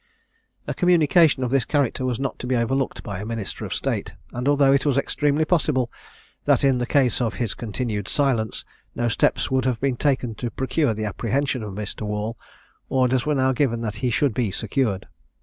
A communication of this character was not to be overlooked by a minister of state, and although it was extremely possible, that in case of his continued silence, no steps would have been taken to procure the apprehension of Mr. Wall, orders were now given that he should be secured.